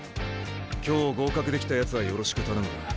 今日合格できたやつはよろしく頼む。